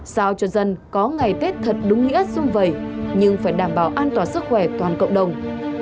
sao cho dân có ngày tết thật đúng nghĩa xung vầy nhưng phải đảm bảo an toàn sức khỏe toàn cộng đồng